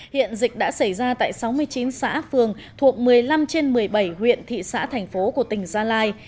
hiện dịch đã xảy ra tại sáu mươi chín xã phường thuộc một mươi năm trên một mươi bảy huyện thị xã thành phố của tỉnh gia lai